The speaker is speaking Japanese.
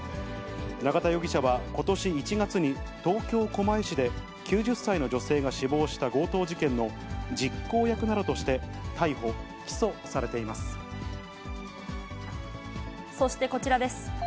永田容疑者はことし１月に東京・狛江市で、９０歳の女性が死亡した強盗事件の実行役などとして逮捕・起訴さそしてこちらです。